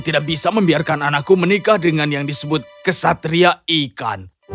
tidak bisa membiarkan anakku menikah dengan yang disebut kesatria ikan